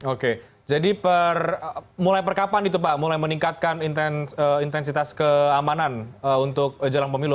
oke jadi mulai perkapan itu pak mulai meningkatkan intensitas keamanan untuk jelang pemilu